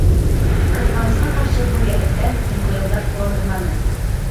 Ҡыҙғанысҡа ҡаршы, был йәһәттән һуңғы йылдар ҡыуандырманы.